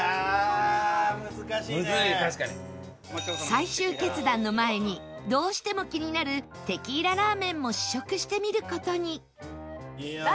最終決断の前にどうしても気になるテキーラらめんも試食してみる事に